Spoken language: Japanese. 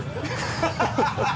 ハハハハ！